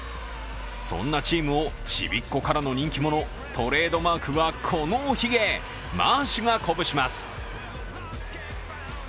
そんなチームをちびっ子からの人気者、トレードマークはこのおひげマーシュが鼓舞します。